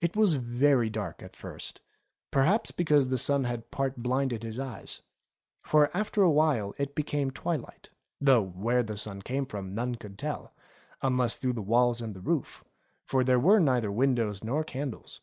It was very dark at first, perhaps because the sun had part blinded his eyes ; for after a while it became twilight, though where the light came from none could tell, unless through the walls and the roof; for there were neither win dows nor candles.